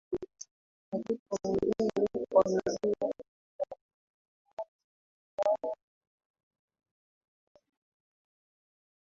atoka mwilini kwa njia ya kutumia haja kubwa au njia ya haja ndogo